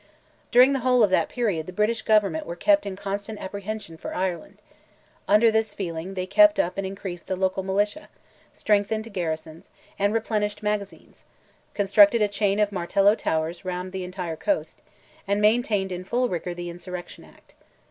During the whole of that period the British government were kept in constant apprehension for Ireland; under this feeling they kept up and increased the local militia; strengthened garrisons, and replenished magazines; constructed a chain of Martello towers round the entire coast, and maintained in full rigour the Insurrection Act.